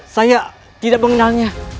saya tidak mengenalnya